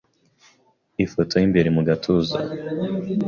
Ifoto y'imbere mu gatuza